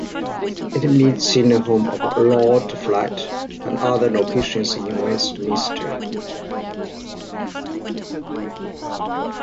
It meets in the home of Lord Flight and other locations in Westminster.